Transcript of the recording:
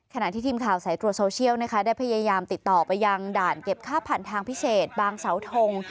ขณะที่ทีมข่าวสายตรวจโซเชียลนะคะได้พยายามติดต่อไปยังด่านเก็บค่าผ่านทางพิเศษบางเสาทง